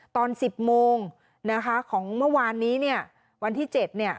ตอนสิบโมงนะคะของเมื่อวานนี้เนี่ยวันที่เจ็ดเนี่ย